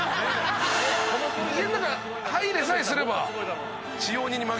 家の中入れさえすれば。